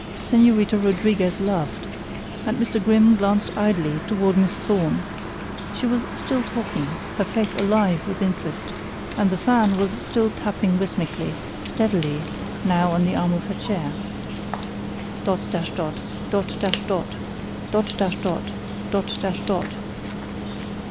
Señorita Rodriguez laughed, and Mr. Grimm glanced idly toward Miss Thorne. She was still talking, her face alive with interest; and the fan was still tapping rhythmically, steadily, now on the arm of her chair. "Dot dash dot! Dot dash dot! Dot dash dot! Dot dash dot!"